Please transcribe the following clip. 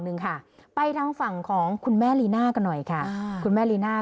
หนึ่งค่ะไปทางฝั่งของคุณแม่ลีน่ากันหน่อยค่ะคุณแม่ลีน่า